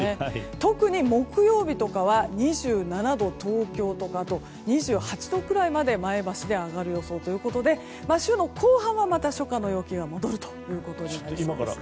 特に木曜日とかは２７度、東京２８度くらいまで前橋で上がる予想ということで週の後半はまた初夏の陽気が戻るということです。